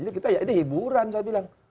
jadi kita ya itu hiburan saya bilang